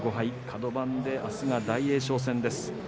カド番で明日は大栄翔戦です。